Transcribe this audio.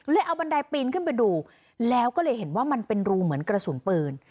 เอาบันไดปีนขึ้นไปดูแล้วก็เลยเห็นว่ามันเป็นรูเหมือนกระสุนปืน